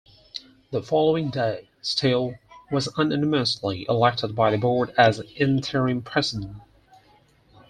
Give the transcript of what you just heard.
The following day, Steele was unanimously elected by the Board as interim president.